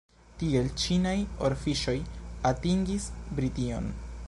Tiel ĉinaj orfiŝoj atingis Brition.